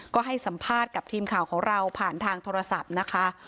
ก็ให้สัมภาษณ์กับทีมข่าวของเราผ่านทางโทรศัพท์นะคะ